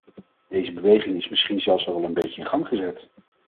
Deze beweging is misschien zelfs al wel een beetje in gang gezet.